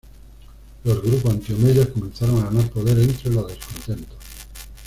Los grupos anti-omeyas comenzaron a ganar poder entre los descontentos.